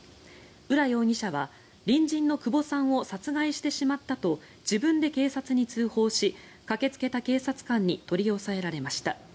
浦容疑者は隣人の久保さんを殺害してしまったと自分で警察に通報し駆けつけた警察官に取り押さえられました。